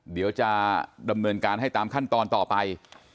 เดี๋ยวจะดำเนินการให้ตามขั้นตอนต่อไป